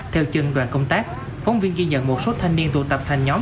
theo chân đoàn công tác phóng viên ghi nhận một số thanh niên tụ tập thành nhóm